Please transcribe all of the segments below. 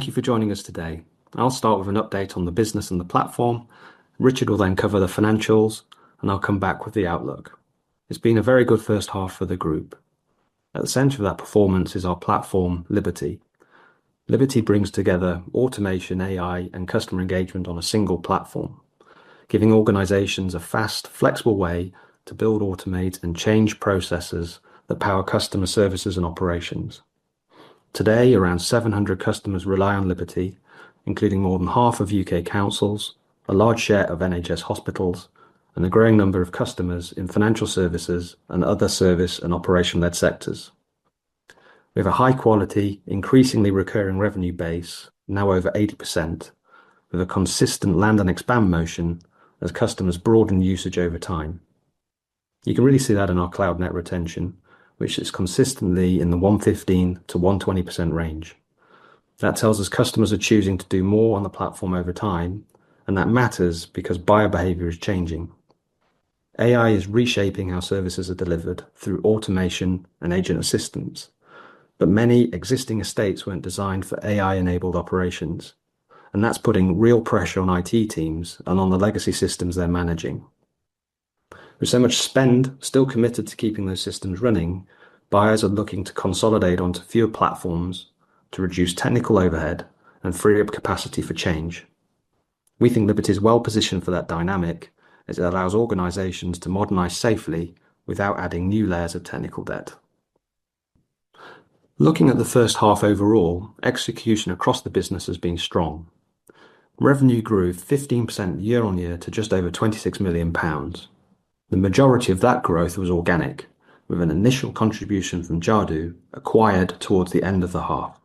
Thank you for joining us today. I'll start with an update on the business and the platform. Richard will then cover the financials. I'll come back with the outlook. It's been a very good first half for the group. At the center of that performance is our platform, Liberty. Liberty brings together automation, AI, and customer engagement on a single platform, giving organizations a fast, flexible way to build, automate, and change processes that power customer services and operations. Today, around 700 customers rely on Liberty, including more than half of U.K. councils, a large share of NHS hospitals, and a growing number of customers in financial services and other service and operation-led sectors. We have a high quality, increasingly recurring revenue base, now over 80%, with a consistent land and expand motion as customers broaden usage over time. You can really see that in our cloud net retention, which is consistently in the 115%-120% range. That tells us customers are choosing to do more on the platform over time. That matters because buyer behavior is changing. AI is reshaping how services are delivered through automation and agent assistance. Many existing estates weren't designed for AI-enabled operations. That's putting real pressure on IT teams and on the legacy systems they're managing. With so much spend still committed to keeping those systems running, buyers are looking to consolidate onto fewer platforms to reduce technical overhead and free up capacity for change. We think Liberty is well-positioned for that dynamic, as it allows organizations to modernize safely without adding new layers of technical debt. Looking at the first half overall, execution across the business has been strong. Revenue grew 15% year-on-year to just over 26 million pounds. The majority of that growth was organic, with an initial contribution from Jadu acquired towards the end of the half.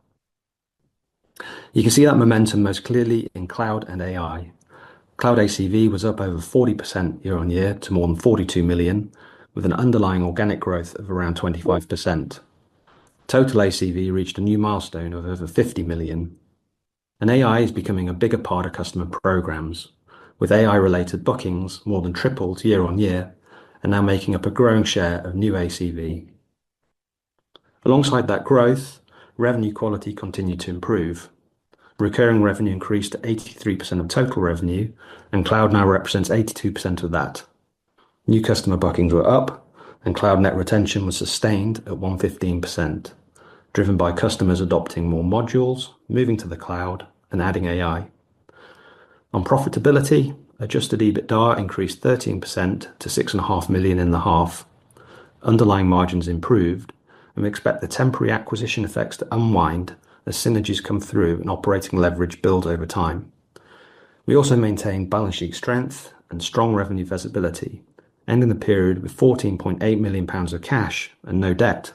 You can see that momentum most clearly in cloud and AI. Cloud ACV was up over 40% year-on-year to more than 42 million, with an underlying organic growth of around 25%. Total ACV reached a new milestone of over 50 million. AI is becoming a bigger part of customer programs, with AI-related bookings more than tripled year-on-year and now making up a growing share of new ACV. Alongside that growth, revenue quality continued to improve. Recurring revenue increased to 83% of total revenue, and cloud now represents 82% of that. New customer bookings were up, and cloud net retention was sustained at 115%, driven by customers adopting more modules, moving to the cloud, and adding AI. On profitability, Adjusted EBITDA increased 13% to 6.5 million in the half. Underlying margins improved, we expect the temporary acquisition effects to unwind as synergies come through and operating leverage build over time. We also maintain balance sheet strength and strong revenue visibility, ending the period with 14.8 million pounds of cash and no debt,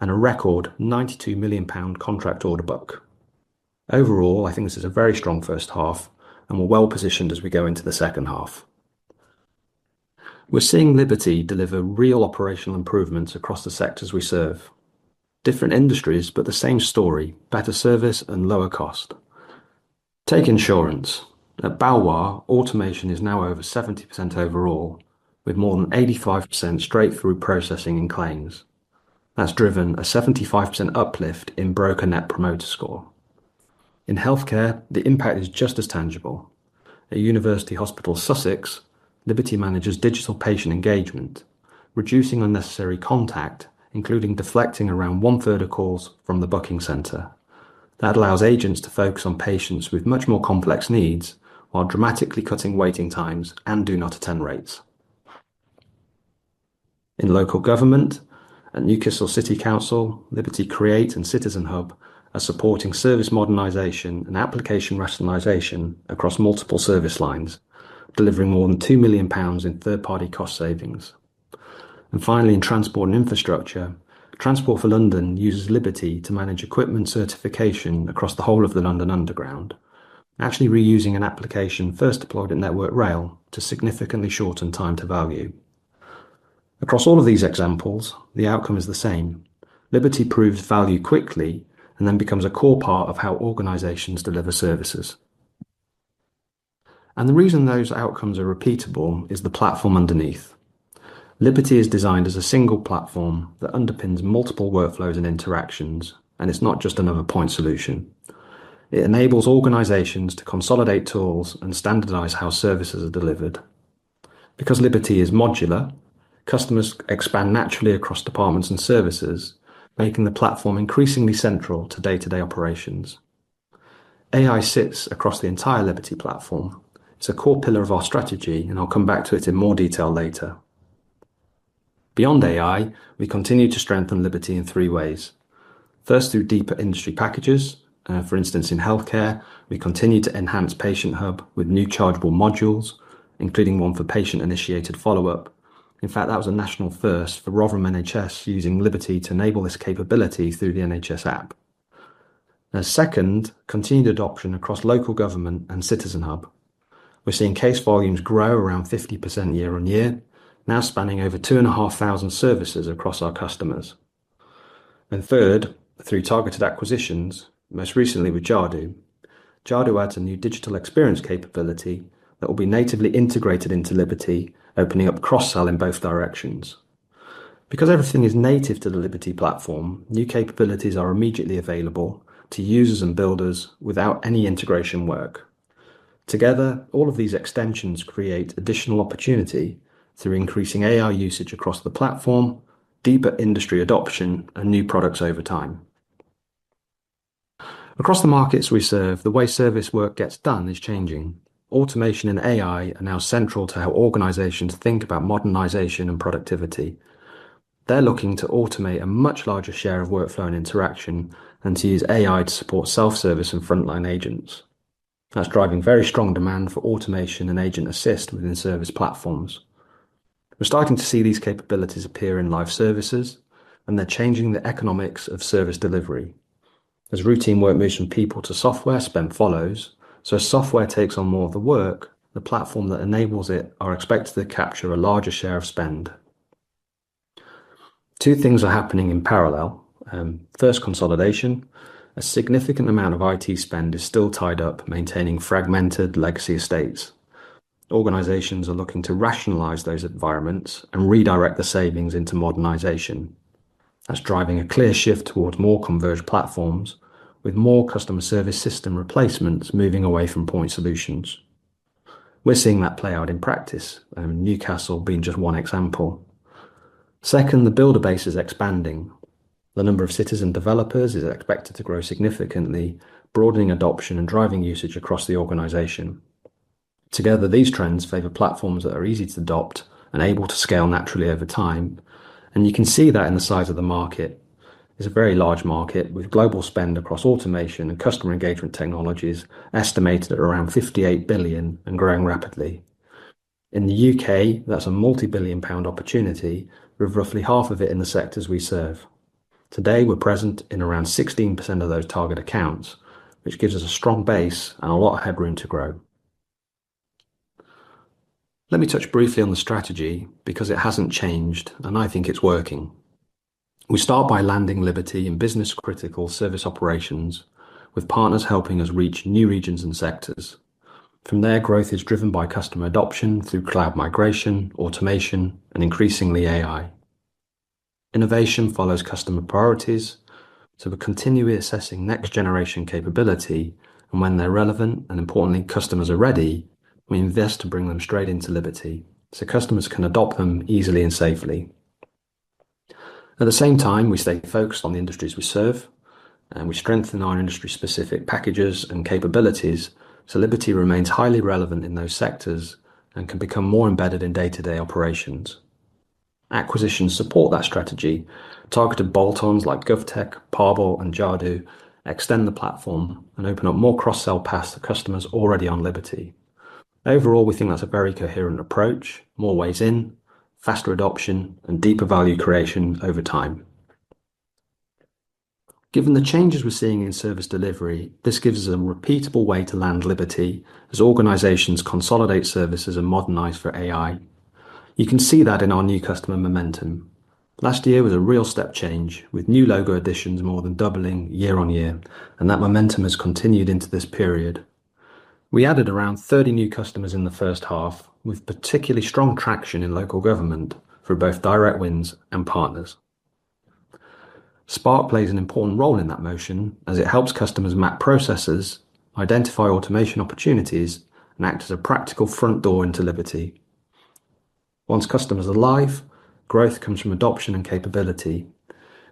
and a record 92 million pound contract order book. I think this is a very strong first half, and we're well-positioned as we go into the second half. We're seeing Liberty deliver real operational improvements across the sectors we serve. Different industries, the same story, better service and lower cost. Take insurance. At Baloise, automation is now over 70% overall, with more than 85% straight-through processing and claims. That's driven a 75% uplift in broker Net Promoter Score. In healthcare, the impact is just as tangible. At University Hospital Sussex, Liberty manages digital patient engagement, reducing unnecessary contact, including deflecting around 1/3 of calls from the booking center. That allows agents to focus on patients with much more complex needs while dramatically cutting waiting times and Did Not Attend rates. In local government, at Newcastle City Council, Liberty Create and Citizen Hub are supporting service modernization and application rationalization across multiple service lines, delivering more than 2 million pounds in third-party cost savings. Finally, in transport and infrastructure, Transport for London uses Liberty to manage equipment certification across the whole of the London Underground, actually reusing an application first deployed in Network Rail to significantly shorten time to value. Across all of these examples, the outcome is the same. Liberty proves value quickly and then becomes a core part of how organizations deliver services. The reason those outcomes are repeatable is the platform underneath. Liberty is designed as a single platform that underpins multiple workflows and interactions, and it's not just another point solution. It enables organizations to consolidate tools and standardize how services are delivered. Because Liberty is modular, customers expand naturally across departments and services, making the platform increasingly central to day-to-day operations. AI sits across the entire Liberty platform. It's a core pillar of our strategy, and I'll come back to it in more detail later. Beyond AI, we continue to strengthen Liberty in three ways. First, through deeper industry packages. For instance, in healthcare, we continue to enhance PatientHub with new chargeable modules, including one for patient-initiated follow-up. In fact, that was a national first for Rotherham NHS using Liberty to enable this capability through the NHS App. Second, continued adoption across local government and Citizen Hub. We're seeing case volumes grow around 50% year-on-year, now spanning over 2,500 services across our customers. Third, through targeted acquisitions, most recently with Jadu adds a new digital experience capability that will be natively integrated into Liberty, opening up cross-sell in both directions. Everything is native to the Liberty platform, new capabilities are immediately available to users and builders without any integration work. Together, all of these extensions create additional opportunity through increasing AI usage across the platform, deeper industry adoption, and new products over time. Across the markets we serve, the way service work gets done is changing. Automation and AI are now central to how organizations think about modernization and productivity. They're looking to automate a much larger share of workflow and interaction and to use AI to support self-service and frontline agents. That's driving very strong demand for automation and agent assist within service platforms. We're starting to see these capabilities appear in live services, and they're changing the economics of service delivery. As routine work moves from people to software, spend follows. As software takes on more of the work, the platform that enables it are expected to capture a larger share of spend. Two things are happening in parallel. First, consolidation. A significant amount of IT spend is still tied up maintaining fragmented legacy estates. Organizations are looking to rationalize those environments and redirect the savings into modernization. That's driving a clear shift towards more converged platforms with more customer service system replacements moving away from point solutions. We're seeing that play out in practice, Newcastle being just one example. Second, the builder base is expanding. The number of citizen developers is expected to grow significantly, broadening adoption and driving usage across the organization. Together, these trends favor platforms that are easy to adopt and able to scale naturally over time, you can see that in the size of the market. It's a very large market with global spend across automation and customer engagement technologies estimated at around 58 billion and growing rapidly. In the UK, that's a multi-billion-pound opportunity with roughly half of it in the sectors we serve. Today, we're present in around 16% of those target accounts, which gives us a strong base and a lot of headroom to grow. Let me touch briefly on the strategy because it hasn't changed, and I think it's working. We start by landing Liberty in business-critical service operations with partners helping us reach new regions and sectors. From there, growth is driven by customer adoption through cloud migration, automation, and increasingly AI. Innovation follows customer priorities, so we're continually assessing next-generation capability, and when they're relevant, and importantly customers are ready, we invest to bring them straight into Liberty, so customers can adopt them easily and safely. At the same time, we stay focused on the industries we serve, and we strengthen our industry-specific packages and capabilities, so Liberty remains highly relevant in those sectors and can become more embedded in day-to-day operations. Acquisitions support that strategy. Targeted bolt-ons like GovTech, Párle, and Jadu extend the platform and open up more cross-sell paths to customers already on Liberty. Overall, we think that's a very coherent approach, more ways in, faster adoption, and deeper value creation over time. Given the changes we're seeing in service delivery, this gives us a repeatable way to land Liberty as organizations consolidate services and modernize for AI. You can see that in our new customer momentum. Last year was a real step change, with new logo additions more than doubling year-on-year, and that momentum has continued into this period. We added around 30 new customers in the first half, with particularly strong traction in local government through both direct wins and partners. Spark plays an important role in that motion as it helps customers map processes, identify automation opportunities, and act as a practical front door into Liberty. Once customers are live, growth comes from adoption and capability.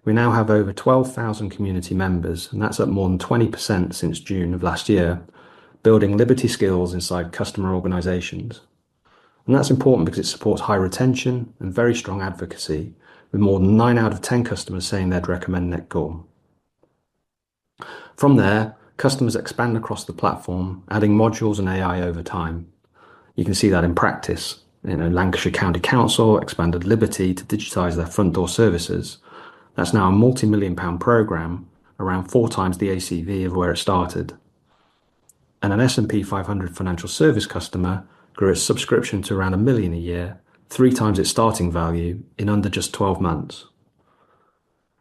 We now have over 12,000 community members, that's up more than 20% since June of last year, building Liberty skills inside customer organizations. That's important because it supports high retention and very strong advocacy, with more than nine out of 10 customers saying they'd recommend Netcall. From there, customers expand across the platform, adding modules and AI over time. You can see that in practice. You know, Lancashire County Council expanded Liberty to digitize their front door services. That's now a multi-million-pound program, around four times the ACV of where it started. An S&P 500 financial service customer grew its subscription to around 1 million a year, three times its starting value, in under just 12 months.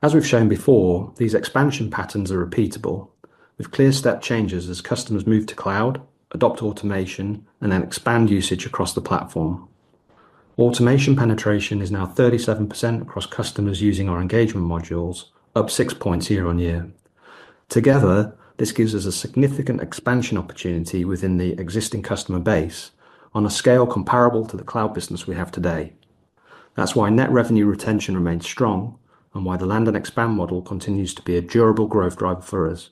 As we've shown before, these expansion patterns are repeatable, with clear step changes as customers move to cloud, adopt automation, and then expand usage across the platform. Automation penetration is now 37% across customers using our engagement modules, up six points year-on-year. Together, this gives us a significant expansion opportunity within the existing customer base on a scale comparable to the cloud business we have today. That's why net revenue retention remains strong and why the land and expand model continues to be a durable growth driver for us.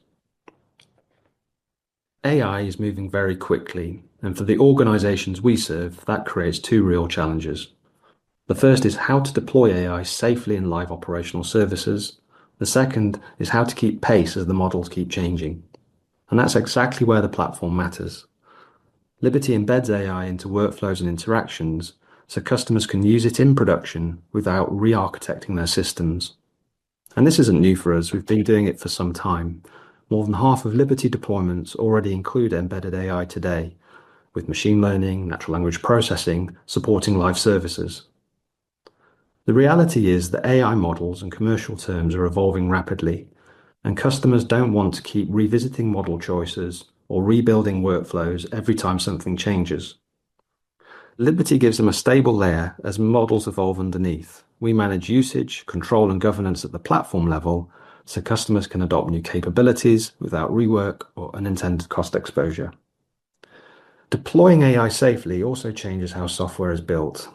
AI is moving very quickly, and for the organizations we serve, that creates two real challenges. The first is how to deploy AI safely in live operational services. The second is how to keep pace as the models keep changing. That's exactly where the platform matters. Liberty embeds AI into workflows and interactions so customers can use it in production without re-architecting their systems. This isn't new for us. We've been doing it for some time. More than half of Liberty deployments already include embedded AI today, with machine learning, natural language processing, supporting live services. The reality is that AI models and commercial terms are evolving rapidly, and customers don't want to keep revisiting model choices or rebuilding workflows every time something changes. Liberty gives them a stable layer as models evolve underneath. We manage usage, control, and governance at the platform level, so customers can adopt new capabilities without rework or unintended cost exposure. Deploying AI safely also changes how software is built.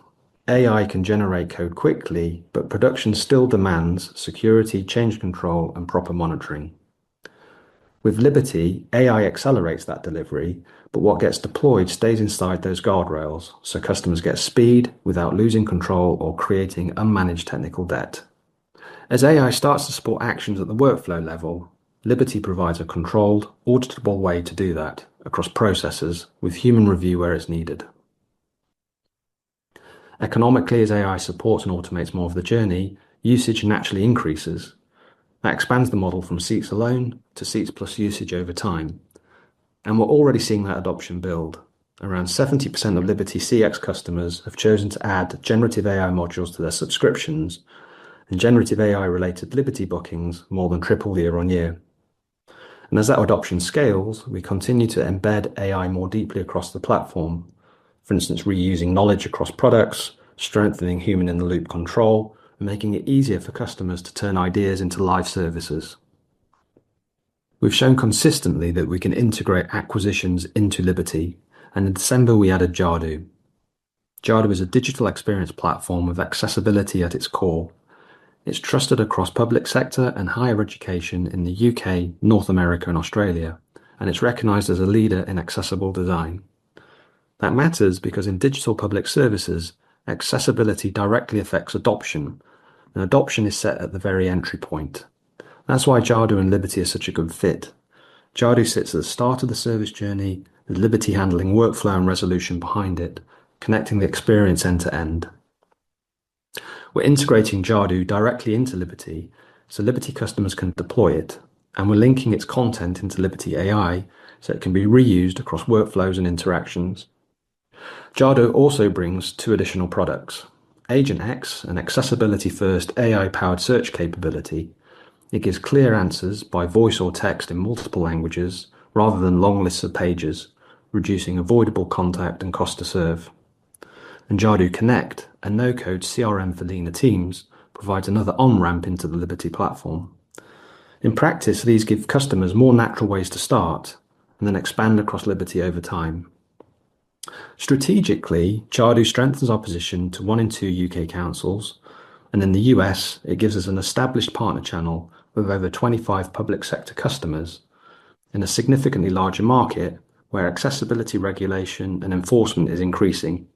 AI can generate code quickly, production still demands security, change control, and proper monitoring. With Liberty, AI accelerates that delivery, but what gets deployed stays inside those guardrails, so customers get speed without losing control or creating unmanaged technical debt. As AI starts to support actions at the workflow level, Liberty provides a controlled, auditable way to do that across processes with human review where is needed. Economically, as AI supports and automates more of the journey, usage naturally increases. That expands the model from seats alone to seats plus usage over time. We're already seeing that adoption build. Around 70% of Liberty CX customers have chosen to add generative AI modules to their subscriptions, and generative AI related Liberty bookings more than tripled year-on-year. As that adoption scales, we continue to embed AI more deeply across the platform. For instance, reusing knowledge across products, strengthening human in the loop control, and making it easier for customers to turn ideas into live services. We've shown consistently that we can integrate acquisitions into Liberty, and in December we added Jadu. Jadu is a digital experience platform with accessibility at its core. It's trusted across public sector and higher education in the UK, North America, and Australia, and it's recognized as a leader in accessible design. That matters because in digital public services, accessibility directly affects adoption, and adoption is set at the very entry point. That's why Jadu and Liberty are such a good fit. Jadu sits at the start of the service journey, with Liberty handling workflow and resolution behind it, connecting the experience end to end. We're integrating Jadu directly into Liberty, so Liberty customers can deploy it, and we're linking its content into Liberty AI, so it can be reused across workflows and interactions. Jadu also brings two additional products. Agent-X, an accessibility-first AI-powered search capability. It gives clear answers by voice or text in multiple languages rather than long lists of pages, reducing avoidable contact and cost to serve. Jadu Connect, a no-code CRM for leaner teams, provides another on-ramp into the Liberty platform. In practice, these give customers more natural ways to start and then expand across Liberty over time. Strategically, Jadu strengthens our position to one in two U.K. councils, and in the U.S., it gives us an established partner channel with over 25 public sector customers in a significantly larger market where accessibility regulation and enforcement is increasing.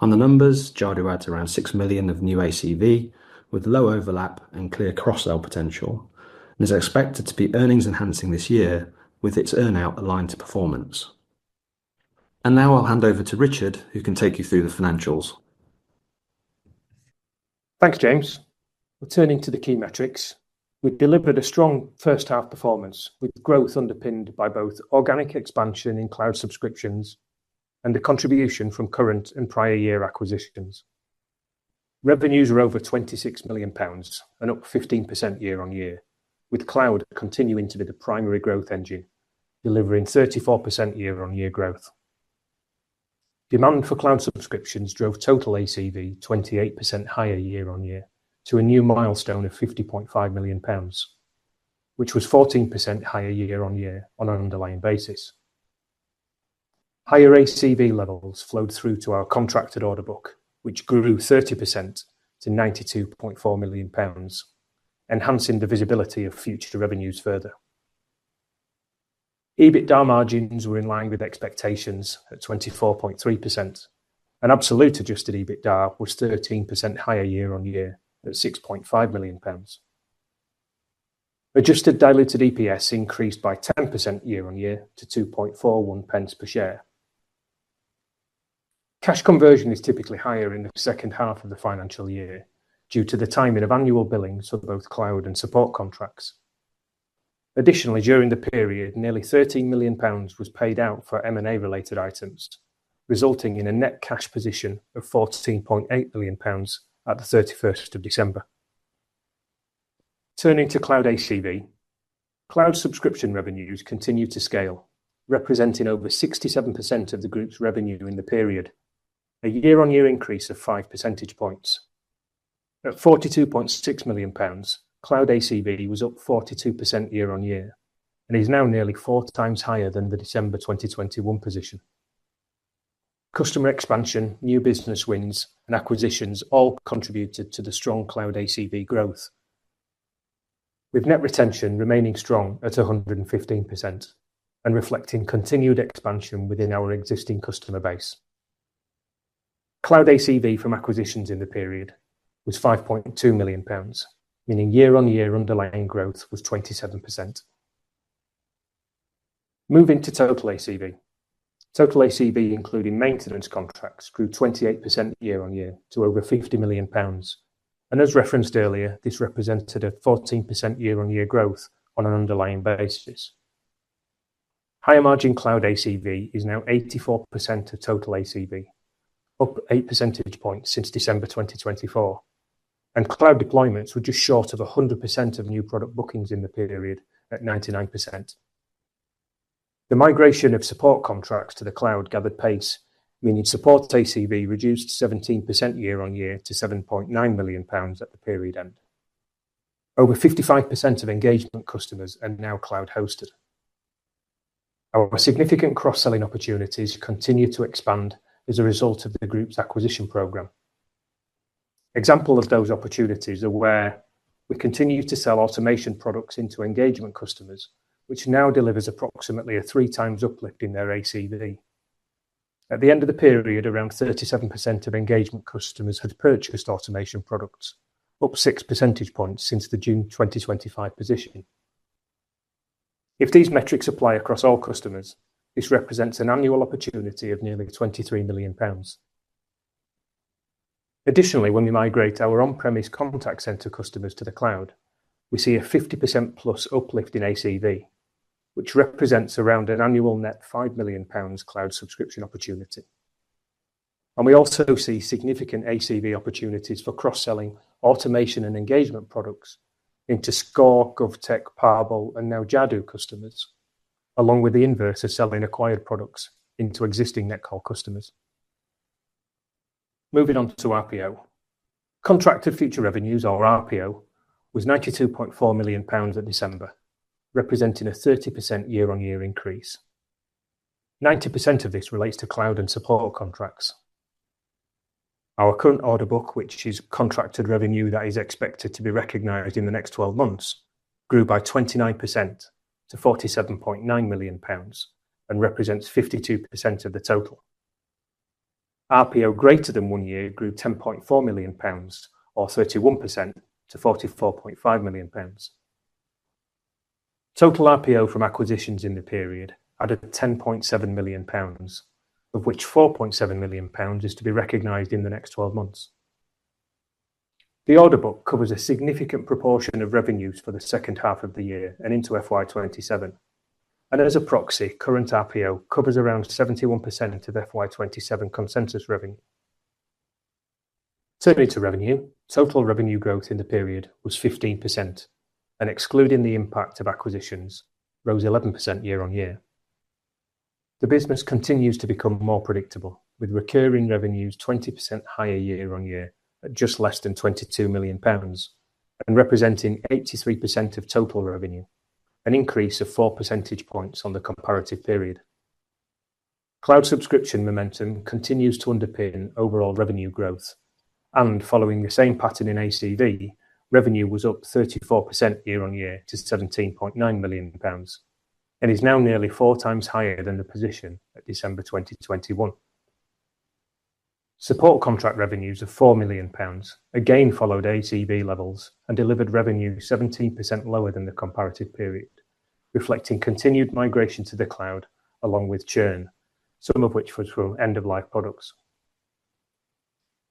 On the numbers, Jadu adds around 6 million of new ACV with low overlap and clear cross-sell potential, and is expected to be earnings enhancing this year with its earn-out aligned to performance. Now I'll hand over to Richard, who can take you through the financials. Thanks, James. We're turning to the key metrics. We've delivered a strong first half performance, with growth underpinned by both organic expansion in cloud subscriptions and the contribution from current and prior year acquisitions. Revenues are over 26 million pounds and up 15% year-on-year, with cloud continuing to be the primary growth engine, delivering 34% year-on-year growth. Demand for cloud subscriptions drove total ACV 28% higher year on year to a new milestone of 50.5 million pounds, which was 14% higher year-on-year on an underlying basis. Higher ACV levels flowed through to our contracted order book, which grew 30% to 92.4 million pounds, enhancing the visibility of future revenues further. EBITDA margins were in line with expectations at 24.3%. Absolute Adjusted EBITDA was 13% higher year-on-year at 6.5 million pounds. Adjusted diluted EPS increased by 10% year-on-year to 2.41 pence per share. Cash conversion is typically higher in the second half of the financial year due to the timing of annual billings of both cloud and support contracts. During the period, nearly GBP 13 million was paid out for M&A related items, resulting in a net cash position of GBP 14.8 million at the 31st of December. Turning to cloud ACV. Cloud subscription revenues continued to scale, representing over 67% of the group's revenue during the period, a year-on-year increase of 5 percentage points. At 42.6 million pounds, cloud ACV was up 42% year-on-year, is now nearly four times higher than the December 2021 position. Customer expansion, new business wins, and acquisitions all contributed to the strong cloud ACV growth. With Net retention remaining strong at 115% and reflecting continued expansion within our existing customer base. Cloud ACV from acquisitions in the period was 5.2 million pounds, meaning year-on-year underlying growth was 27%. Moving to total ACV. Total ACV, including maintenance contracts, grew 28% year-on-year to over 50 million pounds. As referenced earlier, this represented a 14% year-on-year growth on an underlying basis. Higher margin cloud ACV is now 84% of total ACV, up 8 percentage points since December 2024. Cloud deployments were just short of 100% of new product bookings in the period at 99%. The migration of support contracts to the cloud gathered pace, meaning supported ACV reduced 17% year-on-year to 7.9 million pounds at the period end. Over 55% of engagement customers are now cloud hosted. Our significant cross-selling opportunities continue to expand as a result of the group's acquisition program. Example of those opportunities are where we continue to sell automation products into engagement customers, which now delivers approximately a 3x uplift in their ACV. At the end of the period, around 37% of engagement customers had purchased automation products, up 6 percentage points since the June 2025 position. If these metrics apply across all customers, this represents an annual opportunity of nearly 23 million pounds. Additionally, when we migrate our on-premise contact center customers to the cloud, we see a 50%+ uplift in ACV, which represents around an annual net 5 million pounds cloud subscription opportunity. We also see significant ACV opportunities for cross-selling automation and engagement products into Skore, Govtech, Párle, and now Jadu customers, along with the inverse of selling acquired products into existing Netcall customers. Moving on to RPO. Contracted future revenues or RPO was 92.4 million pounds at December, representing a 30% year-on-year increase. 90% of this relates to cloud and support contracts. Our current order book, which is contracted revenue that is expected to be recognized in the next 12 months, grew by 29% to 47.9 million pounds and represents 52% of the total. RPO greater than one year grew 10.4 million pounds or 31% to 44.5 million pounds. Total RPO from acquisitions in the period added 10.7 million pounds, of which 4.7 million pounds is to be recognized in the next 12 months. The order book covers a significant proportion of revenues for the second half of the year and into FY 2027, and as a proxy, current RPO covers around 71% of FY 2027 consensus revenue. Turning to revenue, total revenue growth in the period was 15%, and excluding the impact of acquisitions, rose 11% year-on-year. The business continues to become more predictable, with recurring revenues 20% higher year-on-year at just less than 22 million pounds and representing 83% of total revenue, an increase of 4 percentage points on the comparative period. Cloud subscription momentum continues to underpin overall revenue growth. Following the same pattern in ACV, revenue was up 34% year on year to 17.9 million pounds and is now nearly 4x higher than the position at December 2021. Support contract revenues of 4 million pounds again followed ACV levels and delivered revenue 17% lower than the comparative period, reflecting continued migration to the cloud along with churn, some of which was from end of life products.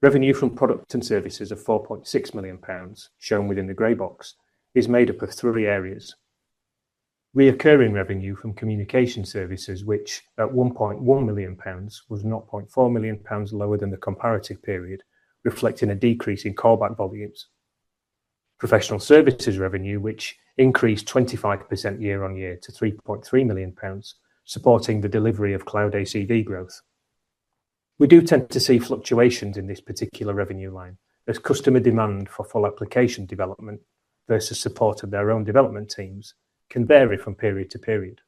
Revenue from products and services of 4.6 million pounds, shown within the gray box, is made up of three areas. Reoccurring revenue from communication services, which at 1.1 million pounds was 0.4 million pounds lower than the comparative period, reflecting a decrease in callback volumes. Professional services revenue, which increased 25% year-on-year to 3.3 million pounds, supporting the delivery of cloud ACV growth. We do tend to see fluctuations in this particular revenue line as customer demand for full application development versus support of their own development teams can vary from period to period.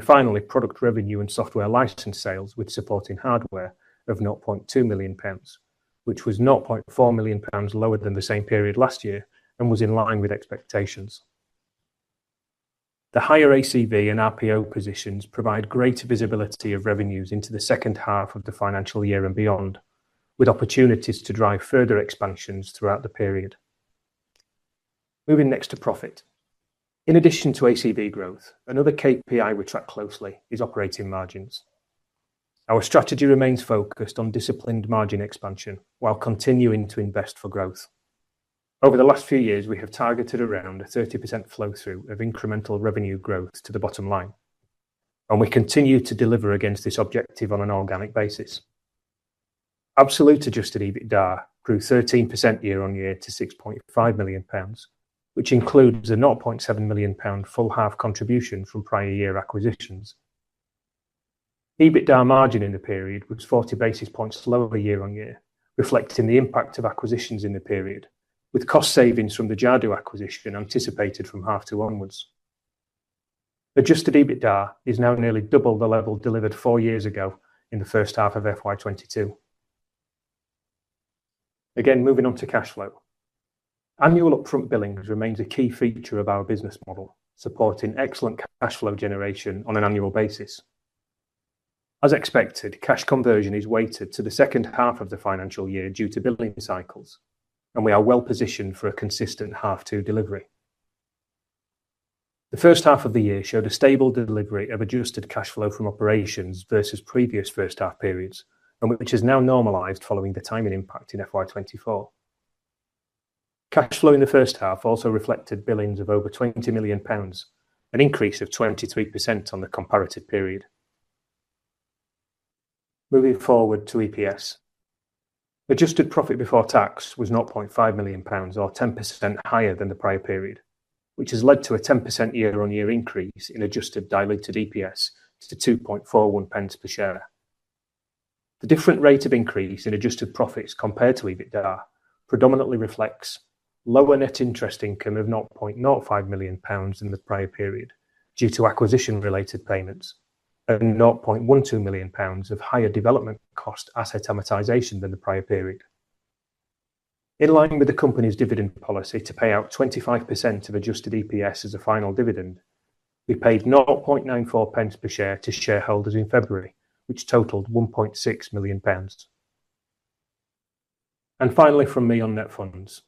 Finally, product revenue and software license sales with supporting hardware of 0.2 million pounds, which was 0.4 million pounds lower than the same period last year and was in line with expectations. The higher ACV and RPO positions provide greater visibility of revenues into the second half of the financial year and beyond, with opportunities to drive further expansions throughout the period. Moving next to profit. In addition to ACV growth, another KPI we track closely is operating margins. Our strategy remains focused on disciplined margin expansion while continuing to invest for growth. Over the last few years, we have targeted around a 30% flow-through of incremental revenue growth to the bottom line. We continue to deliver against this objective on an organic basis. Absolute Adjusted EBITDA grew 13% year-on-year to 6.5 million pounds, which includes a 0.7 million pound full half contribution from prior year acquisitions. EBITDA margin in the period was 40 basis points lower year-on-year, reflecting the impact of acquisitions in the period, with cost savings from the Jadu acquisition anticipated from half two onwards. Adjusted EBITDA is now nearly double the level delivered four years ago in the first half of FY 2022. Moving on to cash flow. Annual upfront billings remains a key feature of our business model, supporting excellent cash flow generation on an annual basis. As expected, cash conversion is weighted to the second half of the financial year due to billing cycles, we are well positioned for a consistent half two delivery. The first half of the year showed a stable delivery of adjusted cash flow from operations versus previous first half periods and which has now normalized following the timing impact in FY 2024. Cash flow in the first half also reflected billings of over 20 million pounds, an increase of 23% on the comparative period. Moving forward to EPS. Adjusted profit before tax was 9.5 million pounds or 10% higher than the prior period, which has led to a 10% year-on-year increase in Adjusted diluted EPS to 2.41 pence per share. The different rate of increase in adjusted profits compared to EBITDA predominantly reflects lower net interest income of 0.05 million pounds in the prior period due to acquisition related payments and 0.12 million pounds of higher development cost asset amortization than the prior period. In line with the company's dividend policy to pay out 25% of Adjusted EPS as a final dividend, we paid 0.94 pence per share to shareholders in February, which totaled 1.6 million pounds. Finally from me on net funds.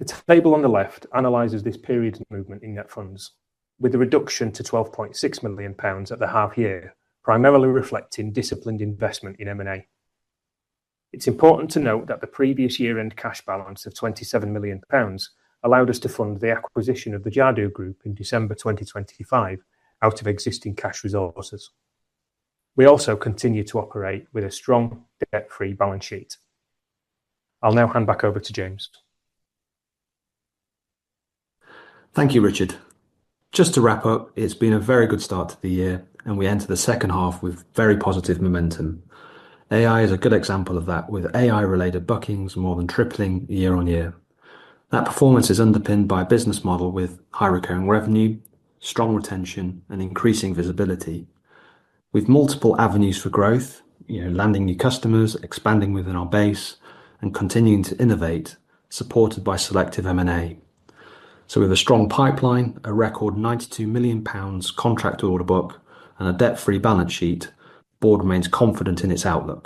The table on the left analyzes this period movement in net funds with a reduction to 12.6 million pounds at the half year, primarily reflecting disciplined investment in M&A. It's important to note that the previous year-end cash balance of 27 million pounds allowed us to fund the acquisition of the Jadu in December 2025 out of existing cash resources. We also continue to operate with a strong debt-free balance sheet. I'll now hand back over to James. Thank you, Richard. Just to wrap up, it's been a very good start to the year, and we enter the second half with very positive momentum. AI is a good example of that, with AI related bookings more than tripling year on year. That performance is underpinned by a business model with high recurring revenue, strong retention and increasing visibility. With multiple avenues for growth, you know, landing new customers, expanding within our base and continuing to innovate, supported by selective M&A. We have a strong pipeline, a record 92 million pounds contract order book, and a debt-free balance sheet. Board remains confident in its outlook.